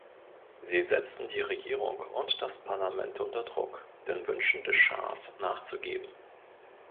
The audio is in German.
Sie setzten die Regierung und das Parlament unter Druck, den Wünschen des Schahs nachzugeben.